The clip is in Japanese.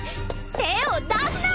手を出すな！